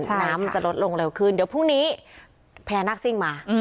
น้ำมันจะลดลงเร็วขึ้นเดี๋ยวพรุ่งนี้พญานาคซิ่งมา